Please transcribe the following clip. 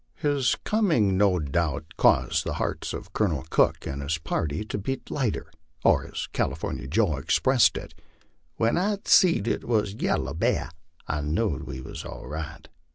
His coming no doubt caused the hearts of Colonel Cook and his party to beat lighter. Or, as California Joe expressed it: " When I seed it wuz Yaller Bar I knowed we wuz all right."